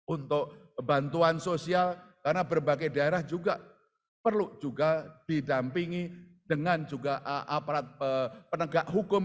untuk bantuan sosial karena berbagai daerah juga perlu juga didampingi dengan juga aparat penegak hukum